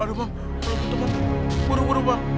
aduh mam peluk gitu mam